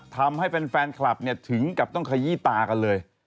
ทำให้แฟนคลับเนี่ยถึงกับต้องขยี้ตากันเลย